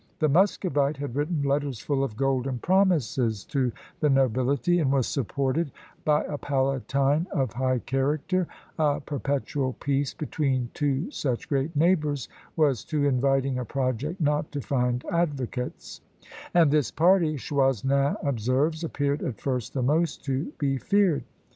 The Muscovite had written letters full of golden promises to the nobility, and was supported by a palatine of high character; a perpetual peace between two such great neighbours was too inviting a project not to find advocates; and this party, Choisnin observes, appeared at first the most to be feared.